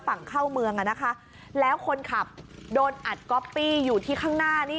ฝั่งเข้าเมืองอ่ะนะคะแล้วคนขับโดนอัดก๊อปปี้อยู่ที่ข้างหน้านี่